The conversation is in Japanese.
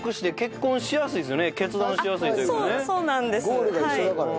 ゴールが一緒だからね。